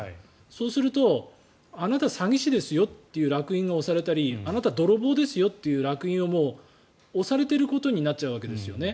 そうすると、あなた詐欺師ですよっていうらく印が押されたりあなた泥棒ですよというらく印をもう押されてることになっちゃうわけですよね。